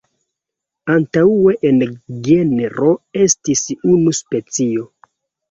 Antaŭe en genro estis unu specio.